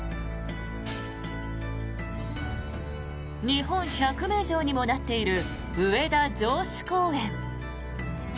日本１００名城にもなっている上田城址公園。